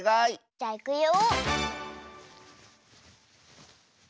じゃいくよ。